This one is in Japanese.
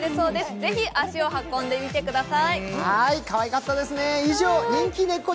ぜひ足を運んでみてください。